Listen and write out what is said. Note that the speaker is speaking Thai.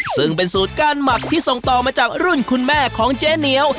ซึ่งเป็นสูตรก้านหมักที่ส่งต่อมาจากรุ่นคุณแม่ของเจ๊เหนียว